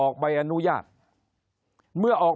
คนในวงการสื่อ๓๐องค์กร